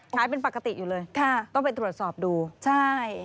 ขายเป็นปกติอยู่เลยค่ะต้องไปตรวจสอบดูใช่